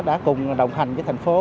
đã cùng đồng hành với thành phố